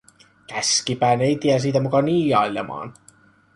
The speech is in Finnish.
Käskipä neitiä siitä muka niiailemaan.